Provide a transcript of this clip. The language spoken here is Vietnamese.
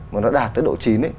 mà nó đạt tới độ chín